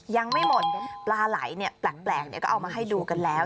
ยังไม่หมดปลาไหลแปลกก็เอามาให้ดูกันแล้ว